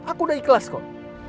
aku udah ikhlas kok